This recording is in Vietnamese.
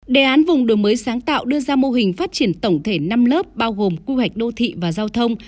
đề án vùng đổi mới sáng tạo đưa ra mô hình phát triển tổng thể năm lớp bao gồm quy hoạch đô thị và giao thông